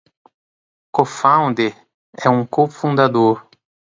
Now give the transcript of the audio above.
Cofounder é um co-fundador.